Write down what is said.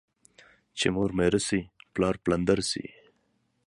چي مور ميره سي ، پلار پلندر سي.